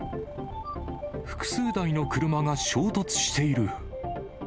複数台の車が衝突している。